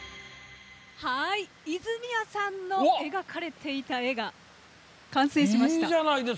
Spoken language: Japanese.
泉谷さんの描かれていた絵完成しました。